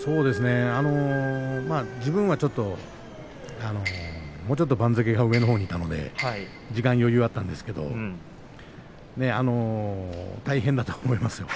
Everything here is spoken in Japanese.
自分はちょっともうちょっと番付が上のほうにいたので時間の余裕があったんですが大変だと思いますよ。